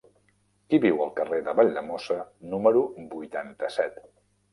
Qui viu al carrer de Valldemossa número vuitanta-set?